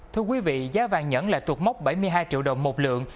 thưa quý vị giá vàng nhẫn lại thuộc mốc bảy mươi hai triệu đồng một lượng